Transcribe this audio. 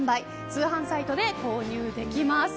通販サイトで購入できます。